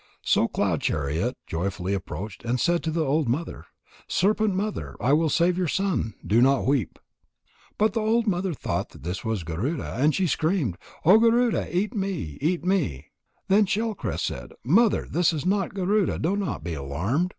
So Cloud chariot joyfully approached and said to the old mother: "Serpent mother, I will save your son. Do not weep." But the old mother thought that this was Garuda, and she screamed: "O Garuda, eat me! Eat me!" Then Shell crest said: "Mother, this is not Garuda. Do not be alarmed.